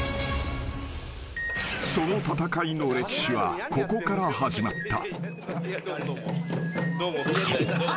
［その戦いの歴史はここから始まった］